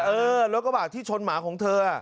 เออรถกระบะที่ชนหมาของเธอ